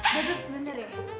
dada sebentar ya